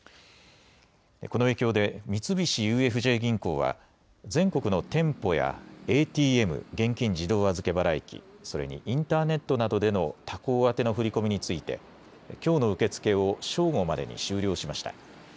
この影響で三菱ＵＦＪ銀行は全国の店舗やＡＴＭ・現金自動預払機、それにインターネットなどでの他行宛の振り込みについてきょうの受け付けを正午までに終了しました。